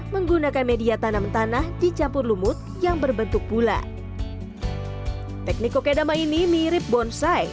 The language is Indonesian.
menggunakan media tanam tanah dicampur lumut yang berbentuk pula teknik kokedama ini mirip bonsai